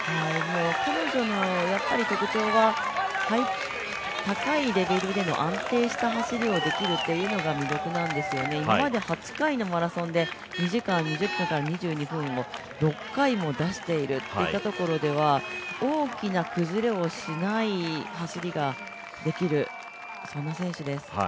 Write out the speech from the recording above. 彼女の特徴が高いレベルでの安定した走りができるのが魅力なんですよね、今まで８回のマラソンで、２時間２０分から２２分を６回も出しているといったところでは大きな崩れをしない走りができる、そんな選手です。